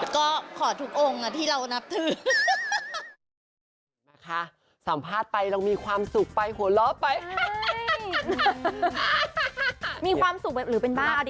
ก็ขอทุกองค์ที่เรานับถือ